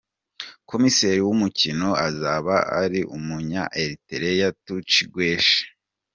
Komiseri w’umukino azaba ari Umunya Eritrea Tucci Guish.